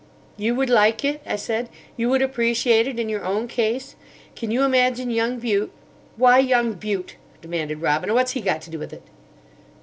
"You would like it?" I said; "you would appreciate it in your own case? Can you imagine young Bute—?" "Why young Bute?" demanded Robina; "what's he got to do with it?"